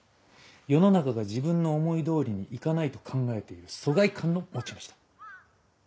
世の中が自分の思い通りに行かないと考えている疎外感の持ち主だ。